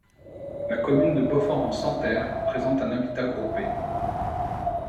La commune de Beaufort-en-Santerre présente un habitat groupé.